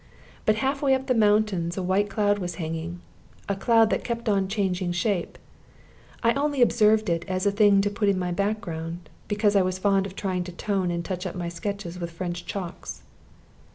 But half way up the mountains a white cloud was hanging, a cloud that kept on changing shape. I only observed it as a thing to put in for my background, because I was fond of trying to tone and touch up my sketches with French chalks.